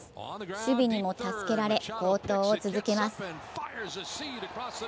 守備にも助けられ好投を続けます。